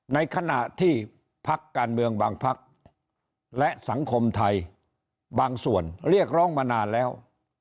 ในขณะที่พักการเมืองบางพักและสังคมไทยบางส่วนเรียกร้องมานานแล้ว